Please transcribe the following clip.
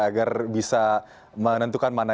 agar bisa menentukan mana